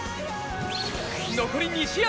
残り２試合！